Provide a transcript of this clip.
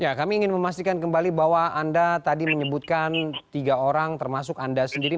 ya kami ingin memastikan kembali bahwa anda tadi menyebutkan tiga orang termasuk anda sendiri